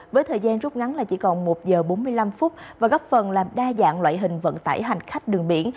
với thời gian rút ngắn là chỉ còn một giờ bốn mươi năm phút và góp phần làm đa dạng loại hình vận tải hành khách đường biển